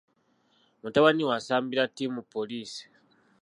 Mutabani we asambira ttimu poliisi.